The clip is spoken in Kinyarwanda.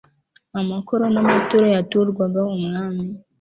amakoro n'amaturo yaturwaga umwami